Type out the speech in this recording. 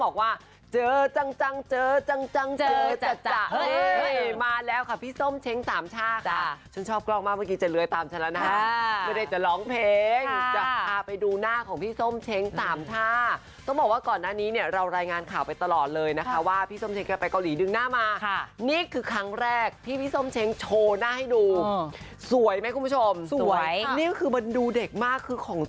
คุณผู้ชมค่ะต่อไปต้องบอกว่าเจอจัง